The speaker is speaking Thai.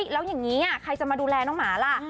แล้วอย่างนี้ใครจะมาดูแลน้องหมาล่ะ